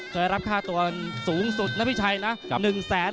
เคยรับค่าตัวสูงสุดนะพี่ชัยนะ